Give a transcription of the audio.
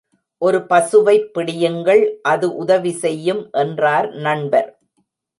ஒரு பசுவைப் பிடியுங்கள் அது உதவி செய்யும் என்றார் நண்பர்.